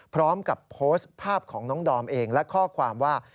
พร้อมกับโพสต์ภาพของน้องดอมเองและข้อความว่า